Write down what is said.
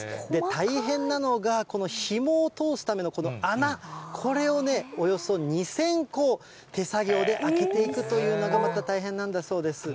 大変なのが、このひもを通すためのこの穴、これをね、およそ２０００個、手作業で開けていくというのが、また大変なんだそうです。